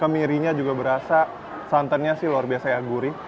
kemirinya juga berasa santannya sih luar biasa ya gurih